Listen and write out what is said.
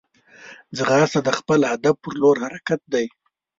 ځغاسته د خپل هدف پر لور حرکت دی